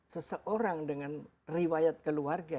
seseorang dengan riwayat keluarga